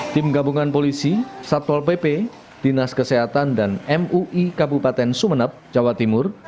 tim gabungan polisi satpol pp dinas kesehatan dan mui kabupaten sumeneb jawa timur